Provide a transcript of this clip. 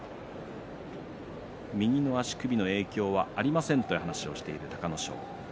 右の足首の影響はありませんという話をしていた隆の勝。